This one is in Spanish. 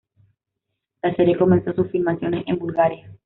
La serie comenzó sus filmaciones en Bulgaria.